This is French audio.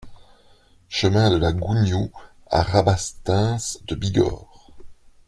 Chemin de la Gouniou à Rabastens-de-Bigorre